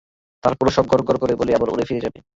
তারপর সব গড়গড় করে বলে আবার উড়ে ফিরে যাবে।